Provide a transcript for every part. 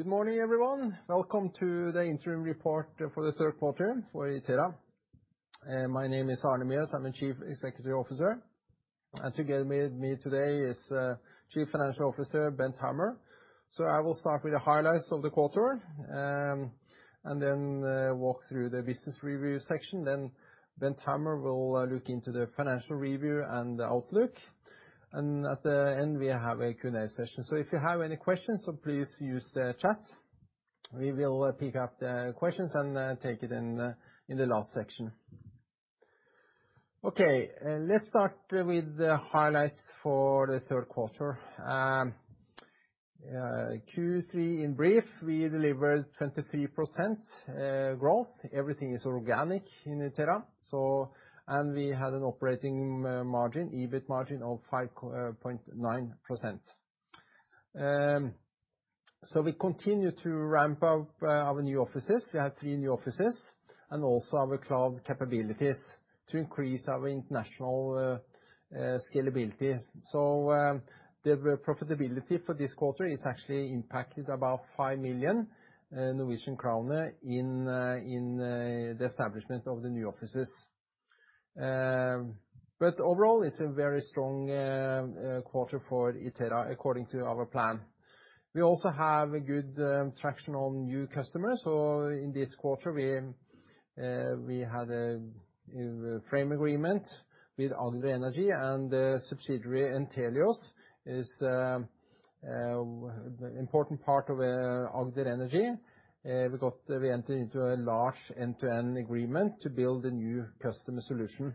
Good morning, everyone. Welcome to the interim report for the Third Quarter for Itera. My name is Arne Mjøs. I'm the Chief Executive Officer. Together with me today is Chief Financial Officer Bent Hammer. I will start with the highlights of the quarter, and then walk through the business review section. Bent Hammer will look into the financial review and the outlook. At the end, we have a Q&A session. If you have any questions, please use the chat. We will pick up the questions and take it in the last section. Okay, let's start with the highlights for the third quarter. Q3 in brief, we delivered 23% growth. Everything is organic in Itera, so... We had an operating margin, EBIT margin of 5.9%. We continue to ramp up our new offices. We have three new offices and also our cloud capabilities to increase our international scalability. The profitability for this quarter is actually impacted about 5 million Norwegian krone in the establishment of the new offices. Overall, it's a very strong quarter for Itera according to our plan. We also have a good traction on new customers. In this quarter we had a framework agreement with Agder Energi and a subsidiary, Entelios, is important part of Agder Energi. We entered into a large end-to-end agreement to build a new customer solution.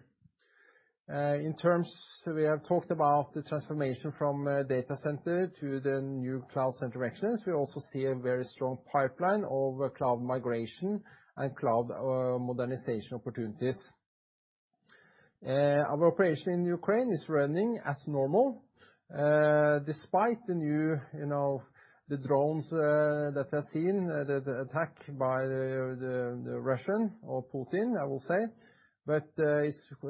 In terms, we have talked about the transformation from data center to the new Cloud Center of Excellence. We also see a very strong pipeline of cloud migration and cloud modernization opportunities. Our operation in Ukraine is running as normal, despite the new, you know, the drones that are seen, the attack by the Russian or Putin, I will say.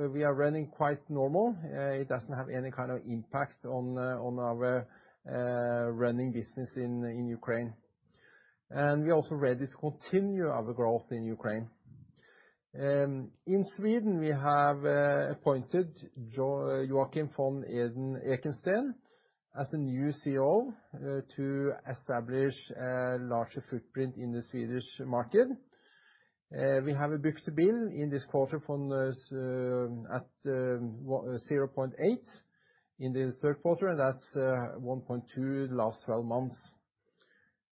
We are running quite normal. It doesn't have any kind of impact on our running business in Ukraine. We're also ready to continue our growth in Ukraine. In Sweden, we have appointed Joachim von Ekensteen as a new CEO to establish a larger footprint in the Swedish market. We have a book-to-bill in this quarter from this, at, 0.8 in the third quarter, and that's 1.2 the last 12 months.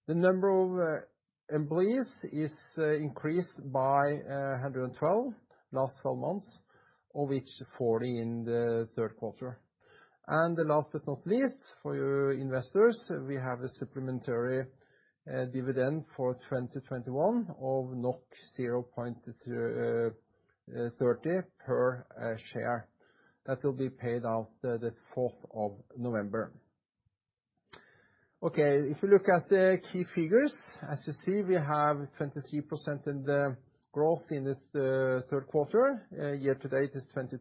The number of employees is increased by 112 last 12 months, of which 40 in the third quarter. The last but not least, for you investors, we have a supplementary dividend for 2021 of 0.30 per share. That will be paid out the fourth of November. Okay, if you look at the key figures, as you see, we have 23% in the growth in the third quarter. Year to date is 22%,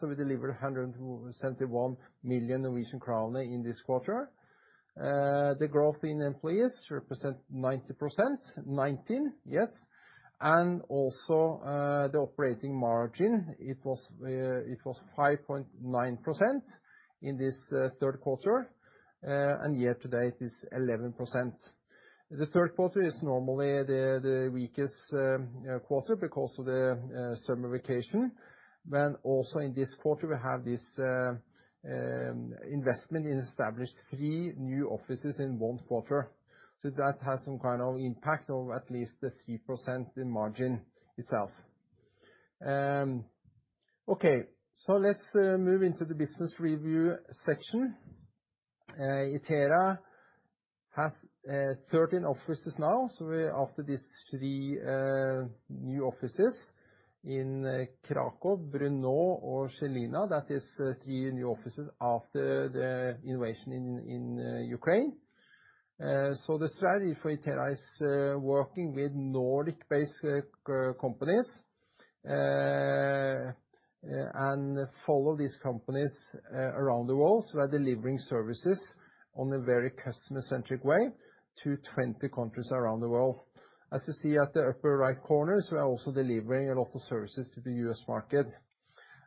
so we delivered 171 million Norwegian crowns in this quarter. The growth in employees represent 90%. 19, yes. Also, the operating margin, it was 5.9% in this third quarter, and year to date is 11%. The third quarter is normally the weakest quarter because of the summer vacation. When also in this quarter we have this investment and established three new offices in one quarter, so that has some kind of impact of at least the 3% in margin itself. Let's move into the business review section. Itera has 13 offices now, after these three new offices in Kraków, Brno, and Žilina. That is three new offices after the invasion in Ukraine. The strategy for Itera is working with Nordic-based companies and follow these companies around the world. We're delivering services on a very customer-centric way to 20 countries around the world. As you see at the upper right corners, we are also delivering a lot of services to the U.S. market.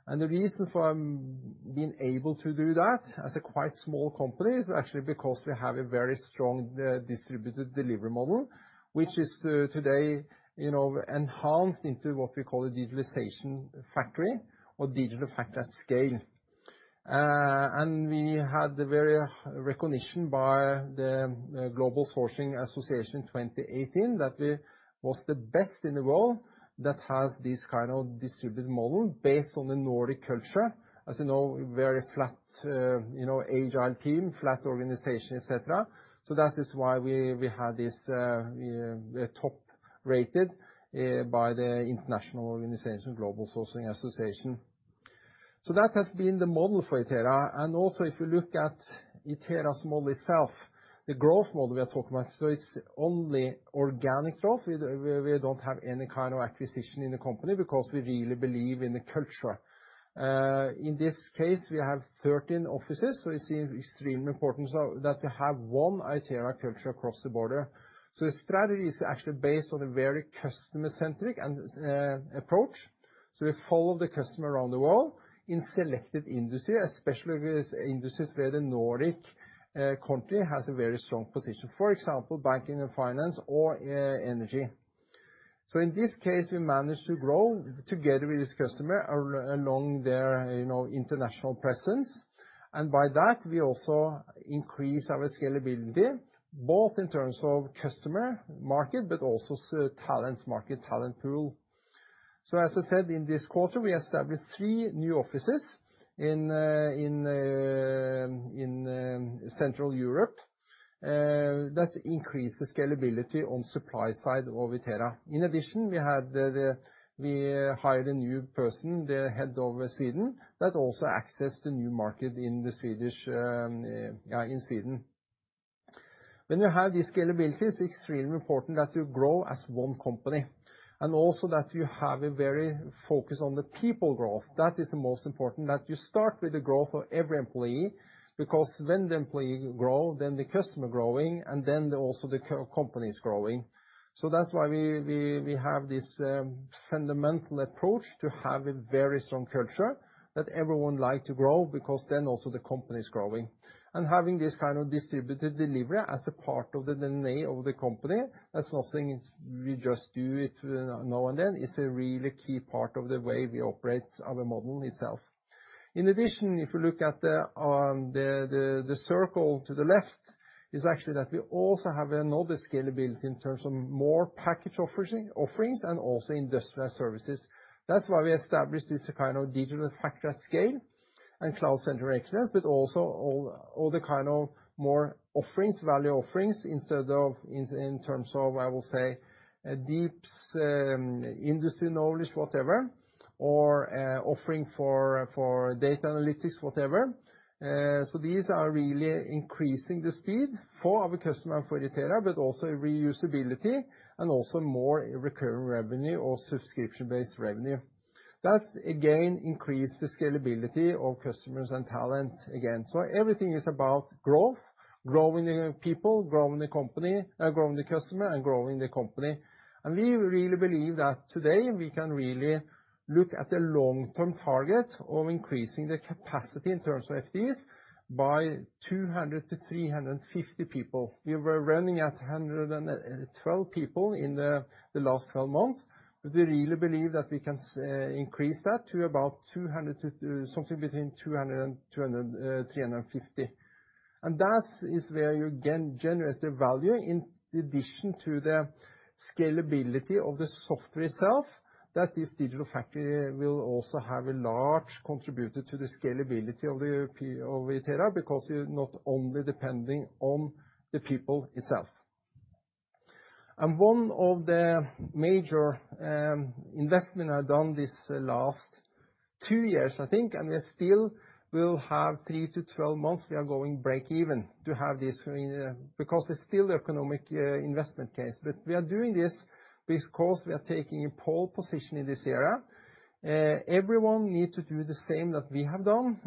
The reason for being able to do that as a quite small company is actually because we have a very strong distributed delivery model, which is today, you know, enhanced into what we call a Digital Factory at scale. We had the very recognition by the Global Sourcing Association in 2018 that we was the best in the world that has this kind of distributed model based on the Nordic culture. As you know, very flat, you know, agile team, flat organization, et cetera. That is why we had this top rated by the international organization, Global Sourcing Association. That has been the model for Itera. Also if you look at Itera's model itself, the growth model we are talking about, it's only organic growth. We don't have any kind of acquisition in the company because we really believe in the culture. In this case, we have 13 offices, so we see extremely important so that we have one Itera culture across the border. The strategy is actually based on a very customer-centric and approach. We follow the customer around the world in selective industry, especially with industries where the Nordic country has a very strong position, for example, banking and finance or energy. In this case, we managed to grow together with this customer along their, you know, international presence. By that we also increase our scalability, both in terms of customer market but also talents market, talent pool. As I said, in this quarter, we established three new offices in Central Europe that increase the scalability on supply side of Itera. In addition, we hired a new person, the head of Sweden, that also access the new market in Sweden. When you have these scalabilities, it's extremely important that you grow as one company, and also that you have a very focus on the people growth. That is the most important, that you start with the growth of every employee, because when the employee grow, then the customer growing, and then also the company is growing. That's why we have this fundamental approach to have a very strong culture that everyone like to grow, because then also the company is growing. Having this kind of distributed delivery as a part of the DNA of the company, that's not saying it's we just do it now and then, it's a really key part of the way we operate our model itself. In addition, if you look at the circle to the left, it's actually that we also have another scalability in terms of more package offerings and also industrial services. That's why we established this kind of Digital Factory at Scale and Cloud Center of Excellence, but also all the kind of more offerings, value offerings, instead of in terms of, I will say, a deep, industry knowledge whatever, or, offering for, data analytics whatever. These are really increasing the speed for our customer, for Itera, but also reusability and also more recurring revenue or subscription-based revenue. That again increase the scalability of customers and talent again. Everything is about growth, growing the people, growing the company, growing the customer and growing the company. We really believe that today we can really look at the long-term target of increasing the capacity in terms of FTEs by 200-350 people. We were running at 112 people in the last 12 months, but we really believe that we can increase that to about 200 to something between 200 and 350. That is where you again generate the value in addition to the scalability of the software itself, that this Digital Factory will also have a large contributor to the scalability of the people of Itera because you're not only depending on the people itself. One of the major investment I've done this last two years, I think, and we still will have three to 12 months, we are going to break even to have this because it's still economic investment case. We are doing this because we are taking a pole position in this area. Everyone need to do the same that we have done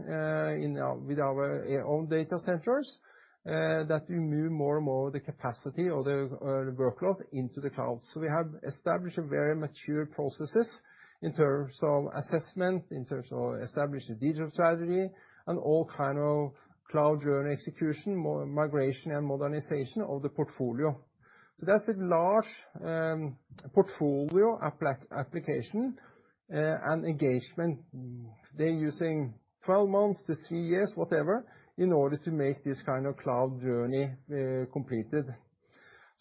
in our own data centers that we move more and more of the capacity or the workloads into the cloud. We have established a very mature processes in terms of assessment, in terms of establishing digital strategy and all kind of cloud journey execution, migration and modernization of the portfolio. That's a large portfolio application and engagement. They're using 12 months to three years, whatever, in order to make this kind of cloud journey completed.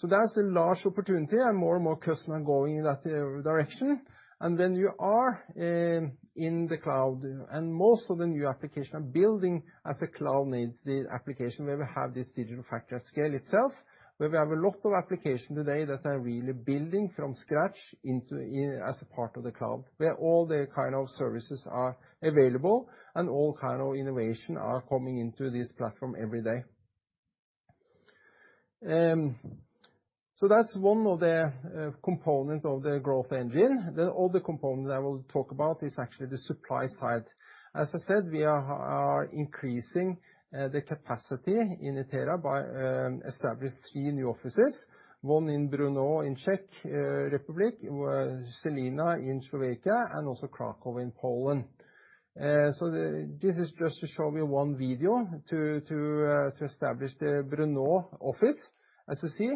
That's a large opportunity and more and more customer going in that direction. When you are in the cloud and most of the new application are building as a cloud-native application, where we have this Digital Factory scale itself, where we have a lot of application today that are really building from scratch into as a part of the cloud, where all the kind of services are available and all kind of innovation are coming into this platform every day. That's one of the component of the growth engine. The other component I will talk about is actually the supply side. As I said, we are increasing the capacity in Itera by establishing three new offices, one in Brno in Czech Republic, Žilina in Slovakia, and also Kraków in Poland. This is just to show you one video to establish the Brno office, as you see.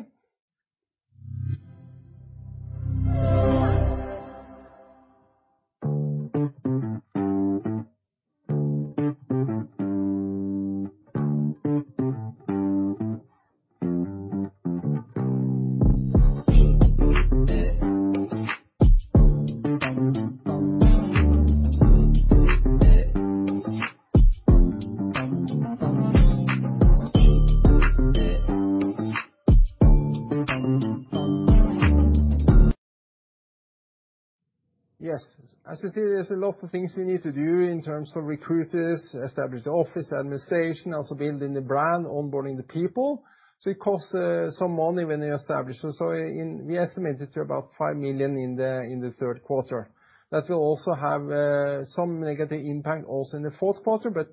Yes. As you see, there's a lot of things we need to do in terms of recruiters, establish the office, administration, also building the brand, onboarding the people. It costs some money when you establish. We estimated to about 5 million in the third quarter. That will also have some negative impact also in the fourth quarter, but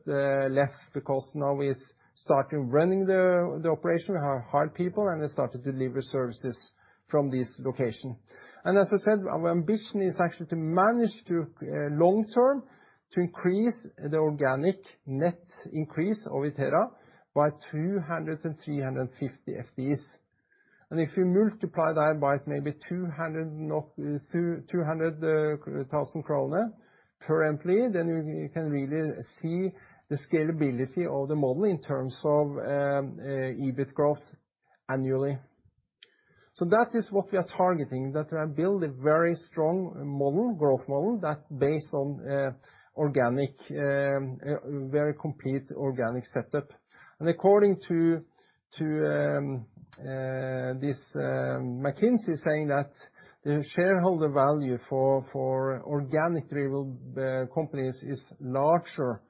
less because now it's starting running the operation. We have hired people, and they started to deliver services from this location. As I said, our ambition is actually to manage to long term to increase the organic net increase of Itera by 200-350 FTEs. If you multiply that by maybe 200,000 kroner per employee, then you can really see the scalability of the model in terms of EBIT growth annually. That is what we are targeting, that we are building very strong model, growth model that based on organic very complete organic setup. According to this McKinsey saying that the shareholder value for organic driven companies is larger than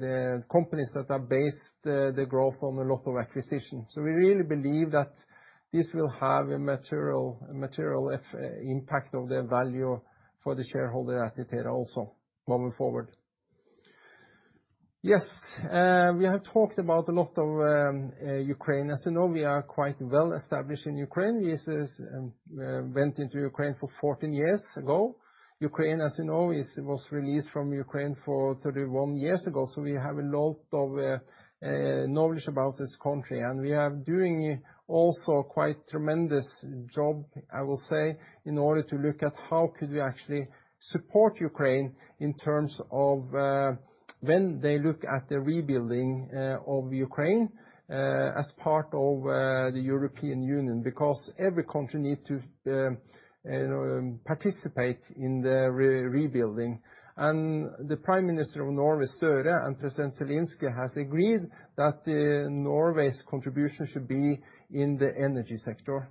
the companies that are based the growth on a lot of acquisition. We really believe that this will have a material impact of the value for the shareholder at Itera also moving forward. Yes, we have talked about a lot of Ukraine. As you know, we are quite well established in Ukraine. We went into Ukraine 14 years ago. Ukraine, as you know, was released from the Soviet Union 31 years ago, so we have a lot of knowledge about this country. We are doing also quite tremendous job, I will say, in order to look at how could we actually support Ukraine in terms of when they look at the rebuilding of Ukraine as part of the European Union, because every country need to participate in the rebuilding. The Prime Minister of Norway, Støre, and President Zelenskyy has agreed that Norway's contribution should be in the energy sector.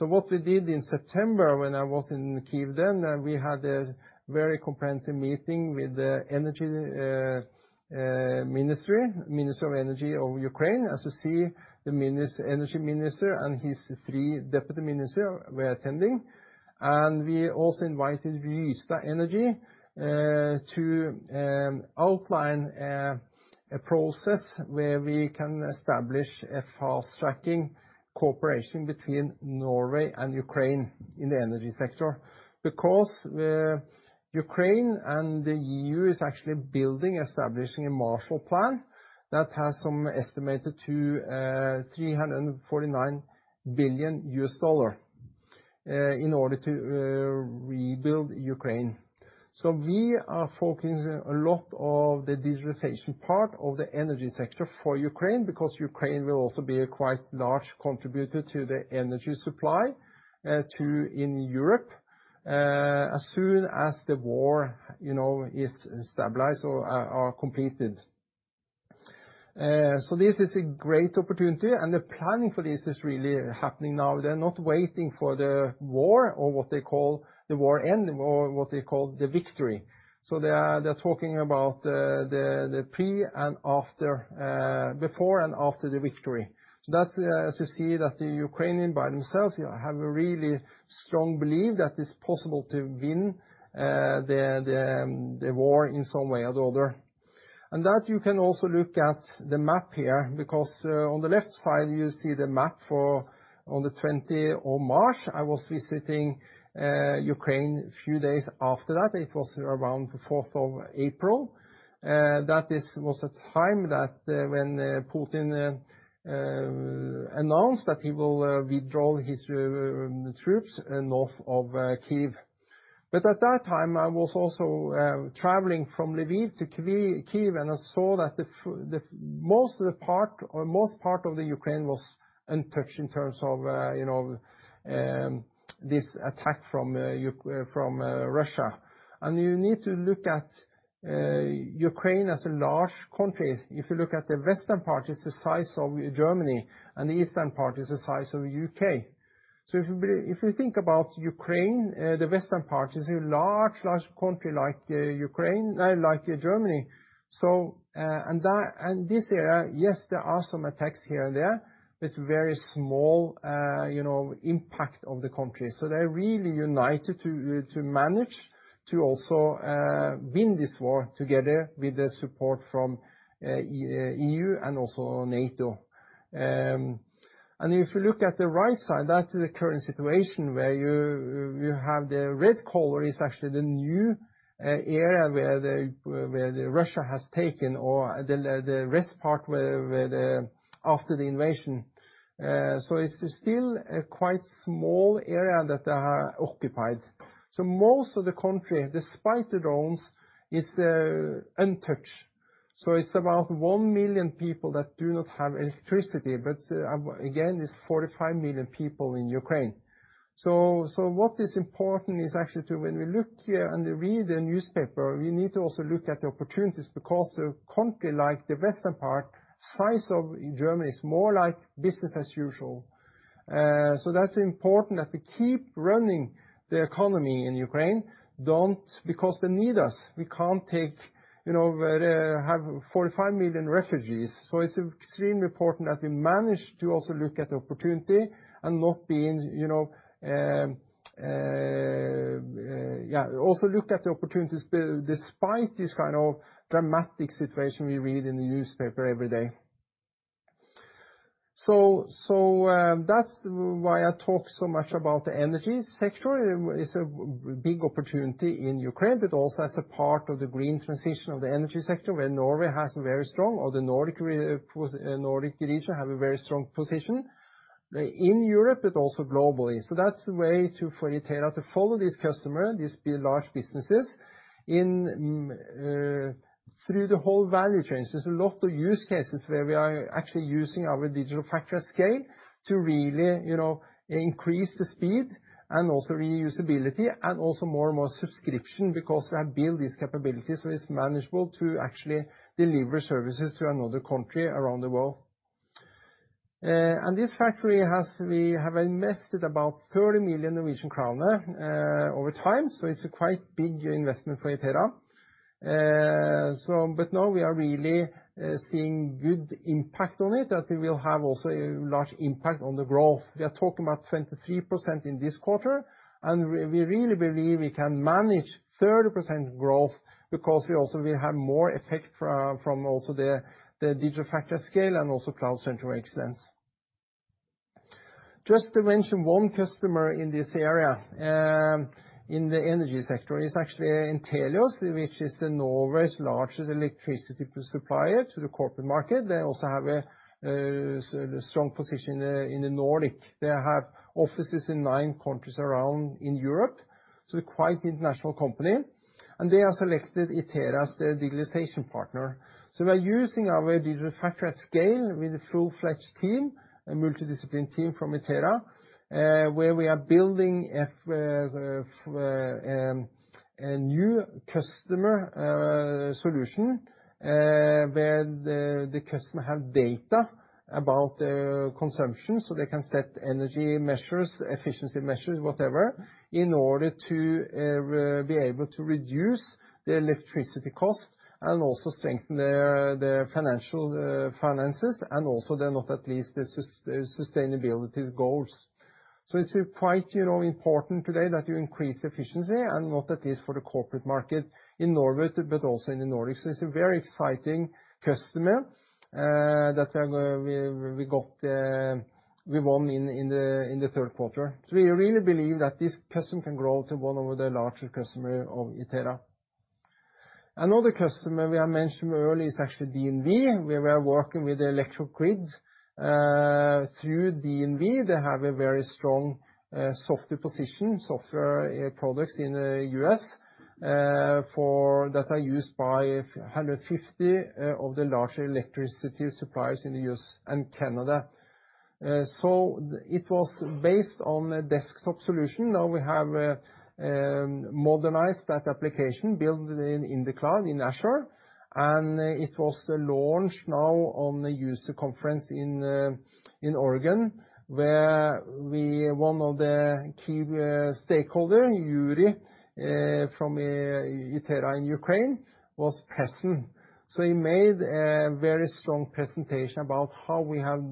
What we did in September when I was in Kyiv then, we had a very comprehensive meeting with the energy ministry, Ministry of Energy of Ukraine. As you see, the energy minister and his three deputy minister were attending. We also invited Rystad Energy to outline a process where we can establish a fast-tracking cooperation between Norway and Ukraine in the energy sector. Because Ukraine and the EU is actually building, establishing a Marshall Plan that has some estimated to $349 billion in order to rebuild Ukraine. We are focusing a lot on the digitization part of the energy sector for Ukraine, because Ukraine will also be a quite large contributor to the energy supply to Europe as soon as the war, you know, is stabilized or are completed. This is a great opportunity, and the planning for this is really happening now. They're not waiting for the war or what they call the war end or what they call the victory. They are talking about the pre and after, before and after the victory. That's as you see that the Ukrainians themselves have a really strong belief that it's possible to win the war in some way or the other. That you can also look at the map here, because on the left side you see the map for on the 20 of March. I was visiting Ukraine a few days after that. It was around the 4th of April. That is, was a time that when Putin announced that he will withdraw his troops north of Kyiv. But at that time, I was also traveling from Lviv to Kyiv, and I saw that the most of the part or most part of the Ukraine was untouched in terms of you know this attack from Russia. You need to look at Ukraine as a large country. If you look at the western part is the size of Germany, and the eastern part is the size of U.K. If you think about Ukraine, the western part is a large country like Ukraine, like Germany. That this area, yes, there are some attacks here and there. It's very small, you know, impact of the country. They're really united to manage to also win this war together with the support from EU and also NATO. If you look at the right side, that's the current situation where you have the red color is actually the new area where the Russia has taken or the rest part where the after the invasion. It's still a quite small area that they have occupied. Most of the country, despite the drones, is untouched. It's about 1 million people that do not have electricity. Again, it's 45 million people in Ukraine. What is important is actually to, when we look and read the newspaper, we need to also look at the opportunities because the country, like the western part, size of Germany is more like business as usual. That's important that we keep running the economy in Ukraine. Because they need us. We can't take, you know, have 45 million refugees. It's extremely important that we manage to also look at the opportunity and not being, you know, yeah. Also look at the opportunities, despite this kind of dramatic situation we read in the newspaper every day. That's why I talk so much about the energy sector. It's a big opportunity in Ukraine, but also as a part of the green transition of the energy sector, where Norway has a very strong, or the Nordic region have a very strong position in Europe, but also globally. That's the way to, for Itera to follow this customer, these big, large businesses in, through the whole value chain. There's a lot of use cases where we are actually using our Digital Factory scale to really, you know, increase the speed and also reusability and also more and more subscription because they have built these capabilities, so it's manageable to actually deliver services to another country around the world. This factory has, we have invested about 30 million Norwegian kroner over time, so it's a quite big investment for Itera. Now we are really seeing good impact on it that we will have also a large impact on the growth. We are talking about 23% in this quarter, and we really believe we can manage 30% growth because we also will have more effect from also the Digital Factory Scale and also Cloud Center of Excellence. Just to mention one customer in this area in the energy sector is actually Entelios, which is Norway's largest electricity supplier to the corporate market. They also have a strong position in the Nordic. They have offices in nine countries around in Europe, so a quite international company, and they have selected Itera as their digitalization partner. We are using our Digital Factory scale with a full-fledged team, a multidiscipline team from Itera, where we are building a new customer solution, where the customer have data about their consumption, so they can set energy measures, efficiency measures, whatever, in order to be able to reduce the electricity cost and also strengthen their financial finances and also then not at least the sustainability goals. It's quite, you know, important today that you increase efficiency and not at least for the corporate market in Norway, but also in the Nordics. It's a very exciting customer that we won in the third quarter. We really believe that this customer can grow to one of the larger customer of Itera. Another customer we have mentioned earlier is actually DNV, where we are working with the electric grids. Through DNV, they have a very strong software position, products in the U.S. that are used by 150 of the larger electricity suppliers in the U.S. and Canada. It was based on a desktop solution. Now we have modernized that application, built it in the cloud, in Azure, and it was launched now on the user conference in Oregon, where one of the key stakeholder Yuri from Itera in Ukraine was present. He made a very strong presentation about how we have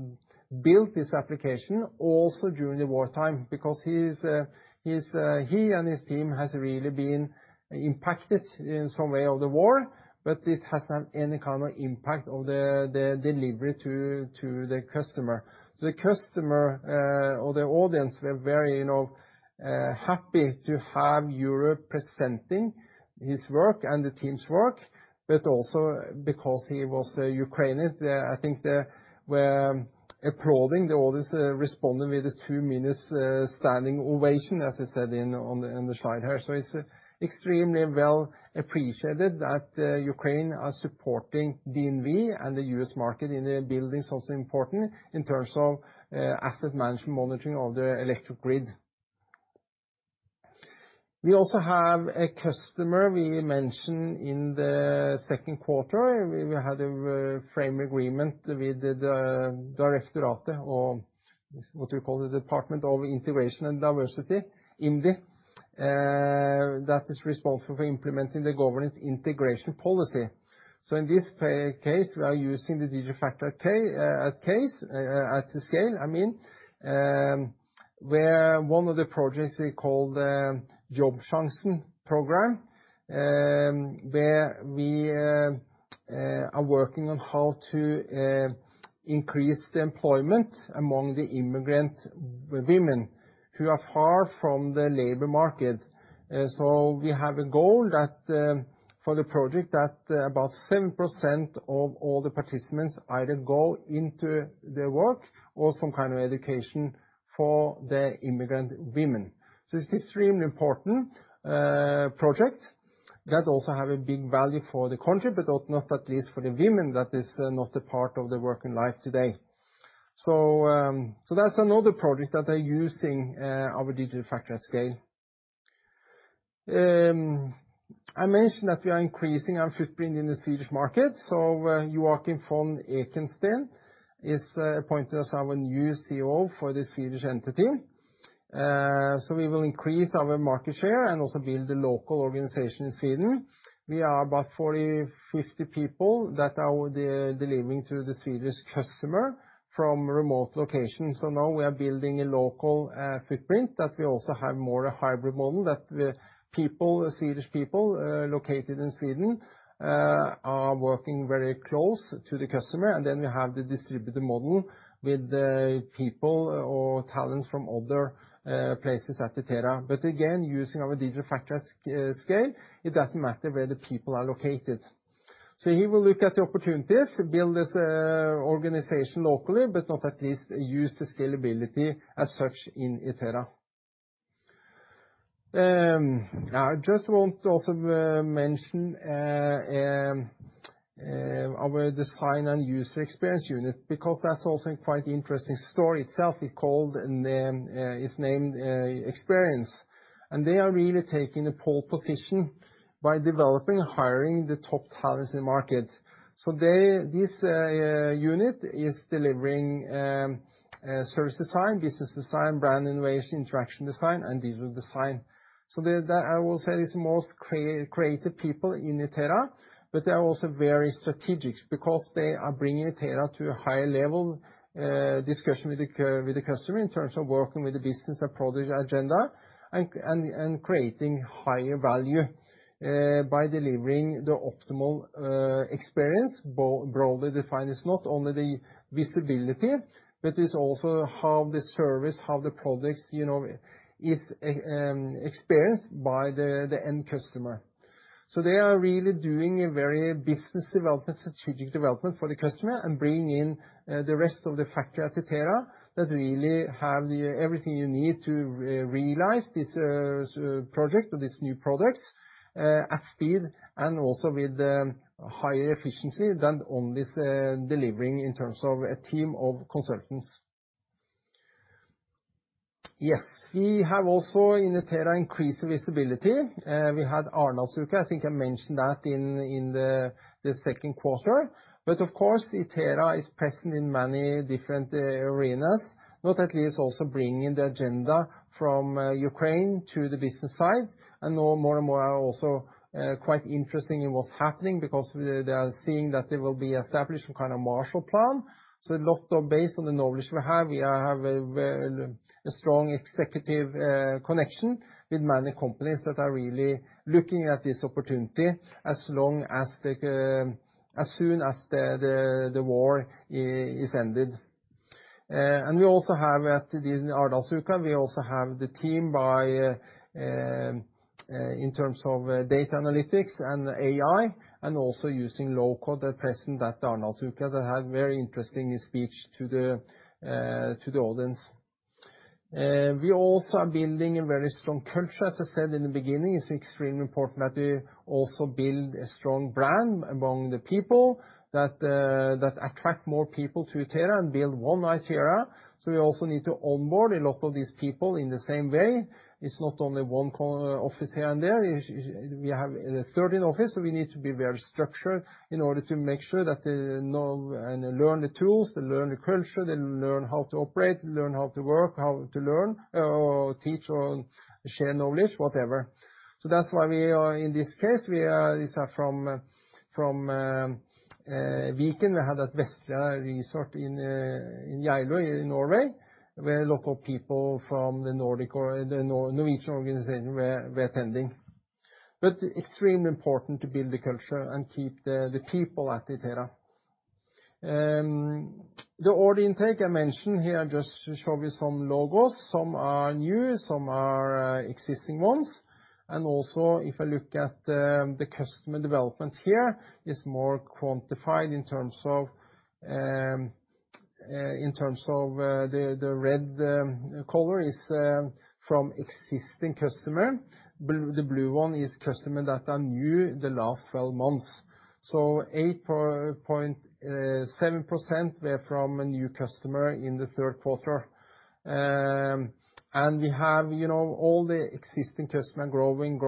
built this application also during the wartime, because he and his team has really been impacted in some way of the war, but it hasn't any kind of impact on the delivery to the customer. The customer or the audience were very, you know, happy to have Yuri presenting his work and the team's work, but also because he was a Ukrainian, I think they were applauding. The audience responded with a two-minute standing ovation, as I said on the slide here. It's extremely well appreciated that Ukraine are supporting DNV and the U.S. market in the building is also important in terms of asset management monitoring of the electric grid. We also have a customer we mentioned in the second quarter. We had a framework agreement with the Directorate of Integration and Diversity, IMDi, that is responsible for implementing the government integration policy. In this case, we are using the Digital Factory at scale, I mean, where one of the projects we call the Jobbsjansen program, where we are working on how to increase the employment among the immigrant women who are far from the labor market. We have a goal that for the project that about 7% of all the participants either go into the work or some kind of education for the immigrant women. It's extremely important project that also have a big value for the country, but not at least for the women that is not a part of the working life today. That's another project that are using our Digital Factory at Scale. I mentioned that we are increasing our footprint in the Swedish market, so Joachim von Ekensteen is appointed as our new CEO for the Swedish entity. We will increase our market share and also build the local organization in Sweden. We are about 40-50 people that are delivering to the Swedish customer from remote locations. Now we are building a local footprint that we also have more of a hybrid model that Swedish people located in Sweden are working very close to the customer. We have the distributor model with the people or talents from other places at Itera. Again, using our Digital Factory at Scale, it doesn't matter where the people are located. He will look at the opportunities to build this organization locally, but not least use the scalability as such in Itera. I just want to also mention our design and user experience unit because that's also quite interesting story itself. It's named Experience, and they are really taking the pole position by developing and hiring the top talents in the market. This unit is delivering service design, business design, brand innovation, interaction design, and digital design.. I will say is most creative people in Itera, but they are also very strategic because they are bringing Itera to a higher level discussion with the customer in terms of working with the business and product agenda and creating higher value by delivering the optimal experience, broadly defined as not only the visibility, but it's also how the service, how the products, you know, is experienced by the end customer. They are really doing a very business development, strategic development for the customer and bringing in the rest of the factory at Itera that really have everything you need to realize this project or this new products at speed and also with higher efficiency than only delivering in terms of a team of consultants. Yes. We have also in Itera increased the visibility. We had Arendalsuka, I think I mentioned that in the second quarter. Of course, Itera is present in many different arenas, not least also bringing the agenda from Ukraine to the business side. Now more and more are also quite interested in what's happening because they are seeing that there will be established some kind of Marshall Plan. A lot, based on the knowledge we have, we have a strong executive connection with many companies that are really looking at this opportunity as soon as the war is ended. We also have at the Arendalsuka. We also have the team in terms of data analytics and AI, and also using low-code that present at Arendalsuka that had very interesting speech to the audience. We also are building a very strong culture. As I said in the beginning, it's extremely important that we also build a strong brand among the people that attract more people to Itera and build One Itera. We also need to onboard a lot of these people in the same way. It's not only one office here and there. We have 13 offices, so we need to be very structured in order to make sure that they know and learn the tools, they learn the culture, they learn how to operate, learn how to work, how to learn or teach or share knowledge, whatever. That's why we are in this case. These are from weekend we had at Vestlia Resort in Geilo in Norway, where a lot of people from the Nordic or the Norwegian organization were attending. Extremely important to build the culture and keep the people at Itera. The order intake I mentioned here, just to show you some logos. Some are new, some are existing ones. If I look at the customer development here, it's more quantified in terms of the red color is from existing customer. The blue one is customer that are new the last 12 months. 8.7% were from a new customer in the third quarter. We have, you know, all the existing customer growing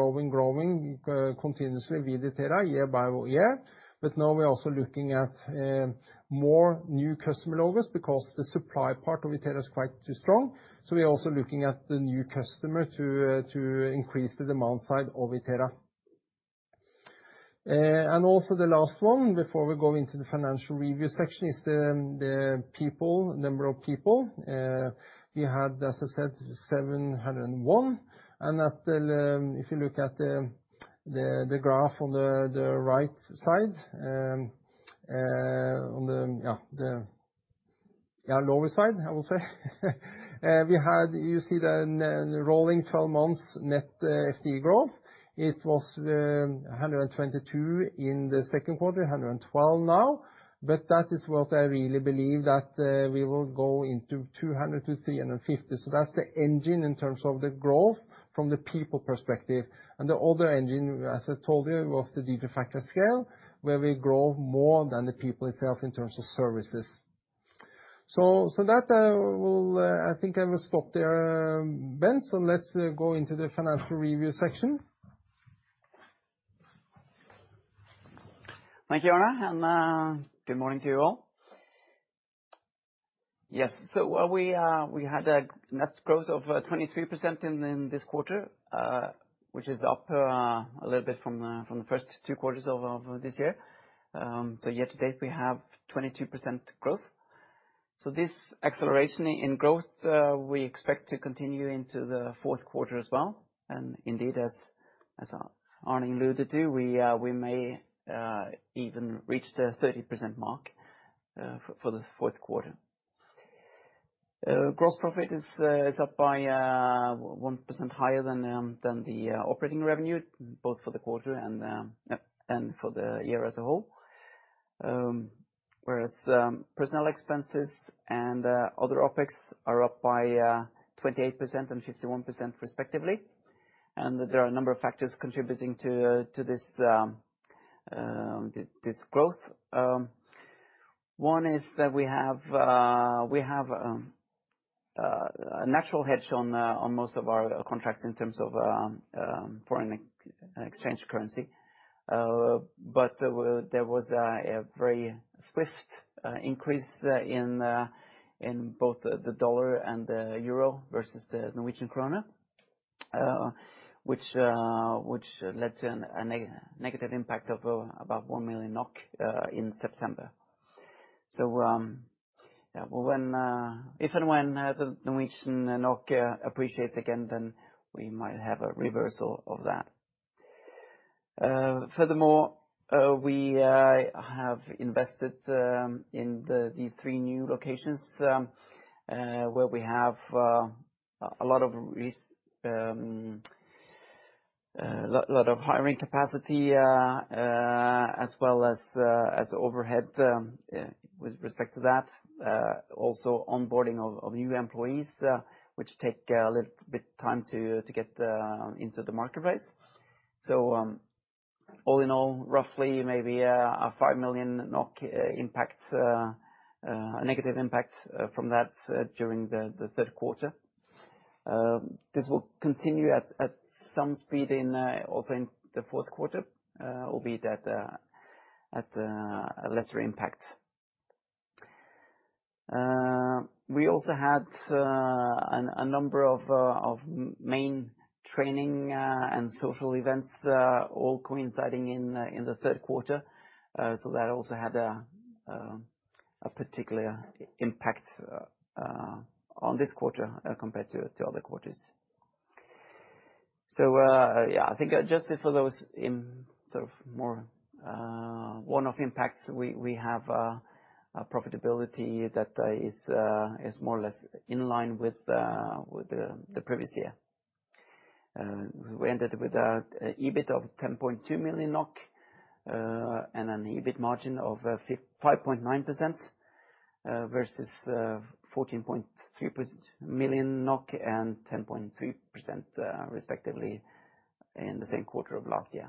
continuously with Itera year by year. Now we're also looking at more new customer logos because the supply part of Itera is quite too strong. We're also looking at the new customer to increase the demand side of Itera. The last one before we go into the financial review section is the people, number of people. We had, as I said, 701. If you look at the graph on the right side, on the, yeah, the lower side, I will say. You see the rolling 12 months net FTE growth. It was 122 in the second quarter, 112 now, but that is what I really believe that we will go into 200-350. That's the engine in terms of the growth from the people perspective. The other engine, as I told you, was the Digital Factory scale, where we grow more than the people itself in terms of services. That will. I think I will stop there, Bent. Let's go into the financial review section. Thank you, Arne. Good morning to you all. Yes. We had a net growth of 23% in this quarter, which is up a little bit from the first two quarters of this year. Year-to-date, we have 22% growth. This acceleration in growth we expect to continue into the fourth quarter as well, and indeed, as Arne alluded to, we may even reach the 30% mark for the fourth quarter. Gross profit is up by 1% higher than the operating revenue, both for the quarter and for the year as a whole. Whereas personnel expenses and other OpEx are up by 28% and 51% respectively. There are a number of factors contributing to this growth. One is that we have a natural hedge on most of our contracts in terms of foreign exchange currency. But there was a very swift increase in both the dollar and the euro versus the Norwegian krone, which led to a negative impact of about 1 million NOK in September. If and when the Norwegian krone appreciates again, then we might have a reversal of that. Furthermore, we have invested in these three new locations, where we have a lot of hiring capacity, as well as overhead, with respect to that. Also onboarding of new employees, which take a little bit time to get into the marketplace. All in all, roughly maybe a 5 million NOK negative impact from that during the third quarter. This will continue at some speed in also in the fourth quarter, albeit at a lesser impact. We also had a number of main training and social events all coinciding in the third quarter. That also had a particular impact on this quarter compared to other quarters. I think just for those in sort of more one-off impacts, we have a profitability that is more or less in line with the previous year. We ended with EBIT of 10.2 million NOK and an EBIT margin of 5.9% versus 14.3 million NOK and 10.3% respectively in the same quarter of last year.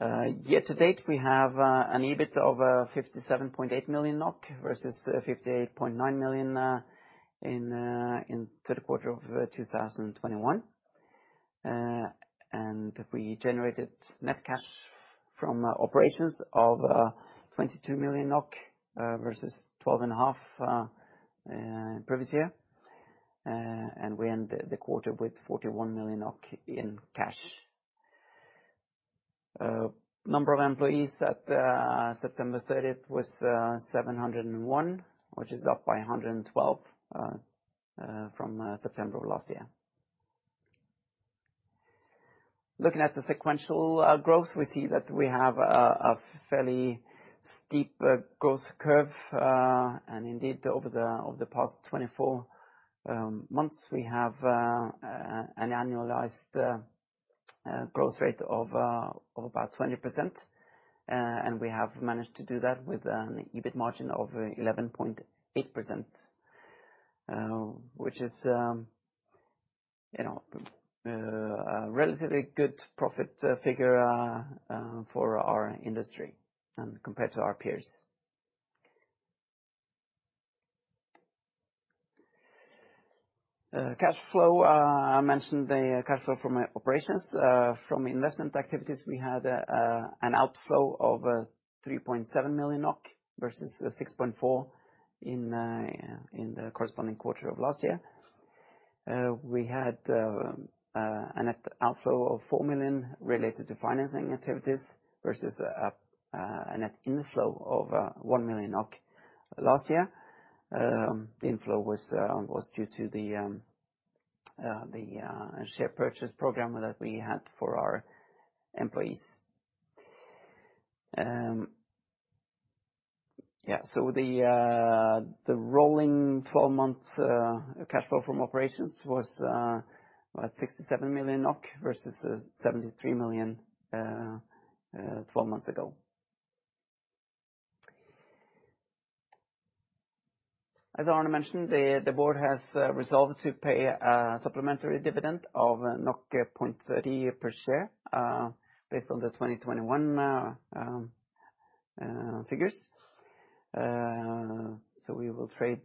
Year-to-date, we have an EBIT of 57.8 million NOK versus 58.9 million in third quarter of 2021. We generated net cash from operations of 22 million NOK versus 12.5 million previous year. We end the quarter with 41 million NOK in cash. Number of employees at September thirtieth was 701, which is up by 112 from September of last year. Looking at the sequential growth, we see that we have a fairly steep growth curve, and indeed over the past 24 months, we have an annualized growth rate of about 20%. We have managed to do that with an EBIT margin of 11.8%, which is, you know, a relatively good profit figure for our industry and compared to our peers. Cash flow, I mentioned the cash flow from operations. From investment activities, we had an outflow of 3.7 million NOK versus 6.4 in the corresponding quarter of last year. We had a net outflow of 4 million related to financing activities versus a net inflow of 1 million last year. Inflow was due to the share purchase program that we had for our employees. Yeah, the rolling 12-month cash flow from operations was what? 67 million NOK versus 73 million 12 months ago. As Arne mentioned, the board has resolved to pay a supplementary dividend of 0.30 per share based on the 2021 figures. We will trade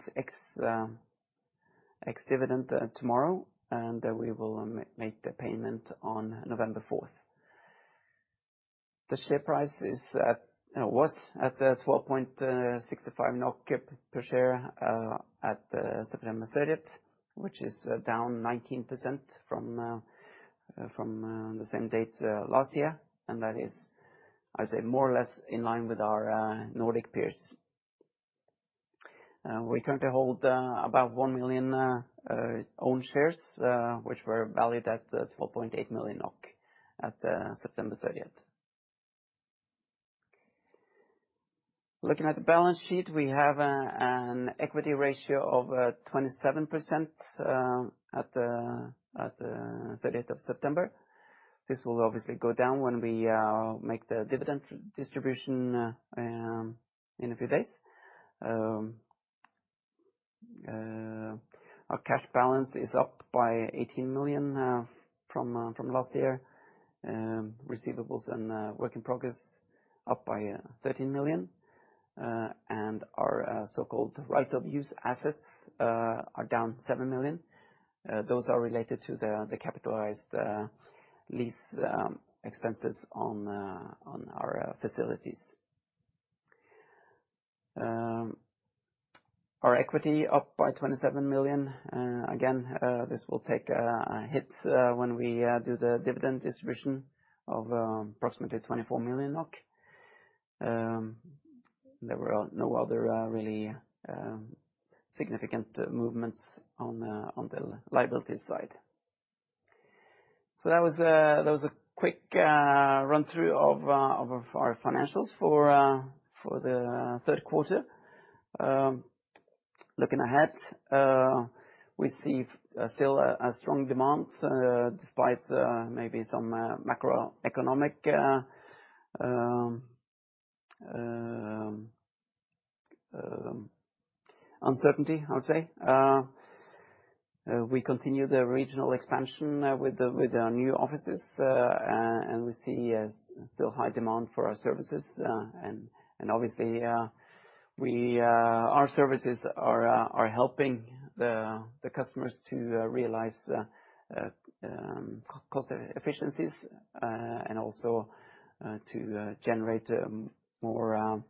ex-dividend tomorrow, and we will make the payment on November fourth. The share price was at 12.65 NOK per share at September thirtieth, which is down 19% from the same date last year. That is, I'd say, more or less in line with our Nordic peers. We currently hold about 1 million own shares, which were valued at 12.8 million NOK at September thirtieth. Looking at the balance sheet, we have an equity ratio of 27% at the 30th of September. This will obviously go down when we make the dividend distribution in a few days. Our cash balance is up by 18 million from last year. Receivables and work in progress up by 13 million. Our so-called right-of-use assets are down 7 million. Those are related to the capitalized lease expenses on our facilities. Our equity up by 27 million. Again, this will take a hit when we do the dividend distribution of approximately 24 million NOK. There were no other really significant movements on the liabilities side. That was a quick run-through of our financials for the third quarter. Looking ahead, we see still a strong demand despite maybe some macroeconomic uncertainty, I would say. We continue the regional expansion with the new offices. We see a still high demand for our services. Obviously, our services are helping the customers to realize cost efficiencies and also to generate more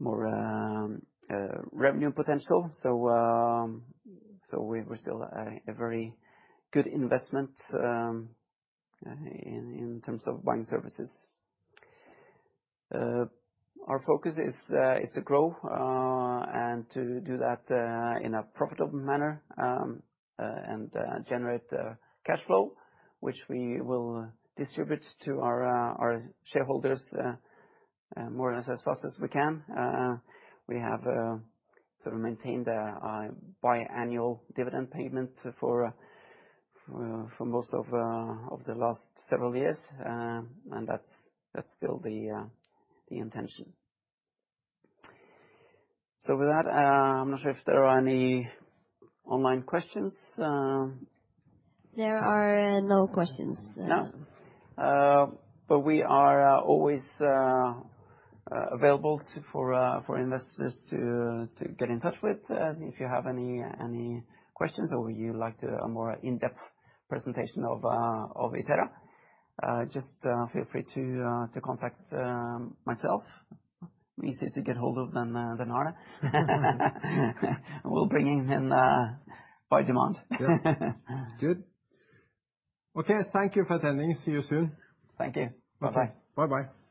revenue potential. We're still a very good investment in terms of buying services. Our focus is to grow and to do that in a profitable manner and generate cash flow, which we will distribute to our shareholders more or less as fast as we can. We have sort of maintained a biannual dividend payment for most of the last several years, and that's still the intention. With that, I'm not sure if there are any online questions. There are no questions. No. We are always available for investors to get in touch with if you have any questions or you'd like a more in-depth presentation of Itera. Just feel free to contact myself. I'm easier to get a hold of than Arne. We'll bring him in by demand. Good. Good. Okay, thank you for attending. See you soon. Thank you. Bye-bye. Bye-bye.